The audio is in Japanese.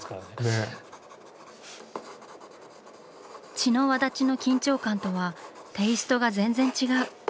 「血の轍」の緊張感とはテイストが全然違う。